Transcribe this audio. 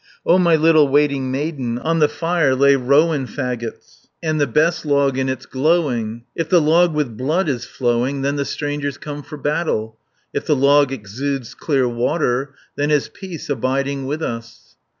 O my little waiting maiden, On the fire lay rowan faggots. And the best log in its glowing. If the log with blood is flowing, Then the strangers come for battle, If the log exudes clear water, Then is peace abiding with us."